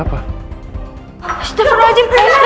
nanti kerja sama anak pinter